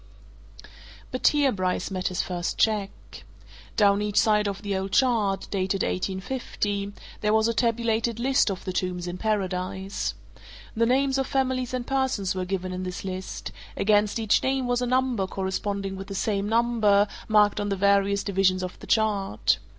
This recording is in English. But here Bryce met his first check. Down each side of the old chart dated 1850 there was a tabulated list of the tombs in Paradise. The names of families and persons were given in this list against each name was a number corresponding with the same number, marked on the various divisions of the chart.